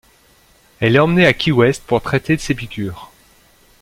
Elle est emmenée à Key West pour traiter ces piqûres.